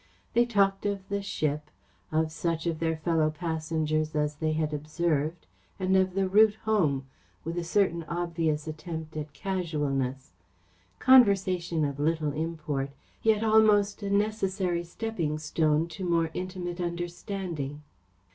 They talked of the ship, of such of their fellow passengers as they had observed, and of the route home, with a certain obvious attempt at casualness; conversation of little import, yet almost a necessary stepping stone to more intimate understanding.